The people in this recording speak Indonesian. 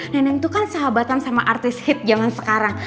neneng tuh kan sahabatan sama artis hit jaman sekarang